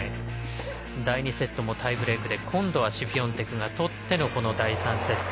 第２セットもタイブレークで今度はシフィオンテクが取っての第３セット。